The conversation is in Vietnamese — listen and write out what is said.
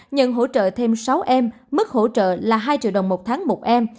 nhận hỗ trợ thêm sáu em mức hỗ trợ là hai triệu đồng một tháng một em